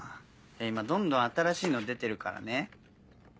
今どんどん新しいの出てるからね。